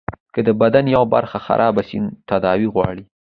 که د بدن يوه برخه خرابه سي تداوي غواړي.